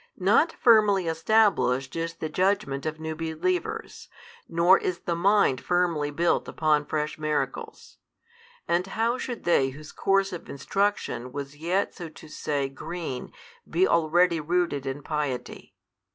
Not firmly established is the judgment of new believers, nor is the mind firmly built upon fresh miracles. And how should they whose course of instruction was yet so to say green, be already rooted in piety?